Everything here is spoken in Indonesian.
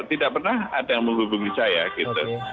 tidak pernah ada yang menghubungi saya gitu